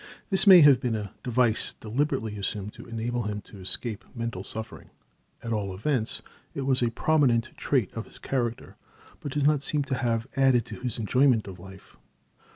This may have been a device deliberately assumed to enable him to escape mental suffering. At all events it was a prominent trait of his character, but does not seem to have added to his enjoyment of life.